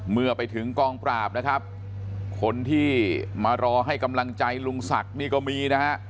เมื่อไปถึงกองปราบนะครับคนที่มารอให้กำลังใจลุงศักดิ์นี่ก็มีนะฮะ